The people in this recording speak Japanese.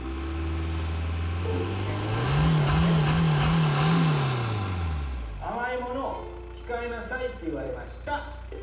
健康診断で、甘いものを控えなさいって言われました。